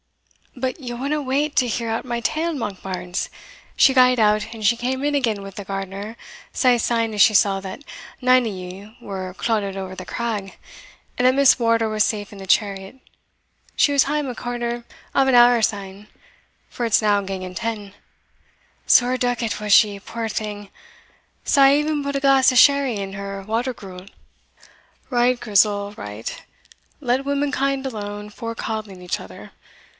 "But ye wadna wait to hear out my tale, Monkbarns she gaed out, and she came in again with the gardener sae sune as she saw that nane o' ye were clodded ower the Craig, and that Miss Wardour was safe in the chariot; she was hame a quarter of an hour syne, for it's now ganging ten sair droukit was she, puir thing, sae I e'en put a glass o' sherry in her water gruel." "Right, Grizel, right let womankind alone for coddling each other.